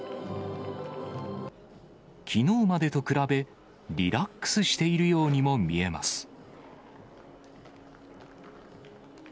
きのうまでと比べ、リラックスしているようにも見えます。